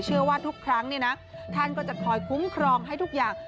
เชื่อว่าทุกครั้งเนี่ยนะท่านก็จะคอยคุ้มครองให้ทุกอย่าง